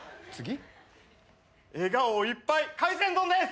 笑顔いっぱい海鮮丼です！